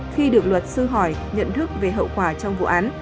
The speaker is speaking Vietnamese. khi được luật sư hỏi nhận thức về hậu quả trong vụ án